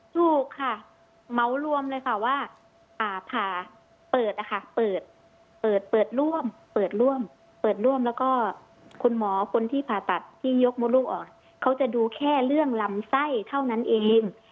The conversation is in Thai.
ถูกค่ะเมาส์รวมเลยค่ะว่าผ่าเปิดนะคะเปิดเปิดร่วมเปิดร่วมเปิดร่วมแล้วก็คุณหมอคนที่ผ่าตัดที่ยกมดลูกออกเขาจะดูแค่เรื่องลำไส้เท่านั้นเอง